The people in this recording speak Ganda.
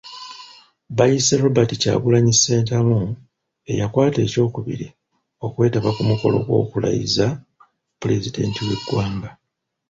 Bayise Robert Kyagulanyi Ssentamu eyakwata ekyokubiri okwetaba ku mukolo gw'okulayiza Pulezidenti w'eggwanga.